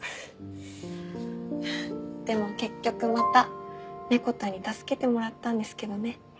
でも結局またネコ太に助けてもらったんですけどね。